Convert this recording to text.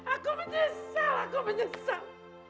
aku menyesal aku menyesal